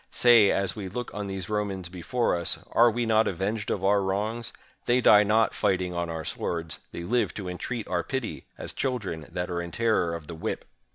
Say, as we look on these Romans before us, are we not avenged of our wrongs? They die not fighting on our swords; they live to entreat our pity, as children that are in terror of the whip!"